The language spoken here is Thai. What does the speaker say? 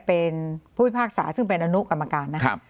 เป็นผู้พิพากษาซึ่งเป็นอนุกรรมการนะครับ